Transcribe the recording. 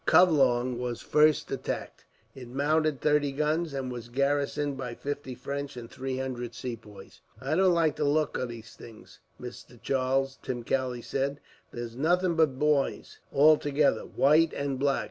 Covelong was first attacked. It mounted thirty guns, and was garrisoned by fifty French, and three hundred Sepoys. "I don't like the look o' things, Mr. Charles," Tim Kelly said. "There's nothing but boys altogether, white and black.